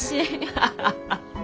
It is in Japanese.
アハハハハ。